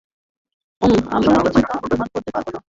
ওম, আমরা কিছু প্রমাণ করতে পারব না।